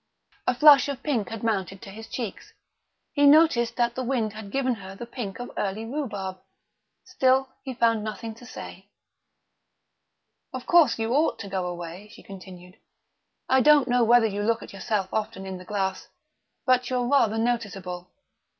A flush of pink had mounted to his cheeks. He noticed that the wind had given her the pink of early rhubarb. Still he found nothing to say. "Of course, you ought to go away," she continued. "I don't know whether you look at yourself often in the glass, but you're rather noticeable.